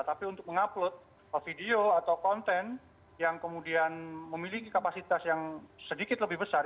tapi untuk mengupload video atau konten yang kemudian memiliki kapasitas yang sedikit lebih besar